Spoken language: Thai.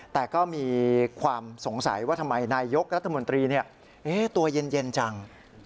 แต่ก็มีความสงสัยว่าทำไมนายยกรัฐมนตรีตัวเย็นจัง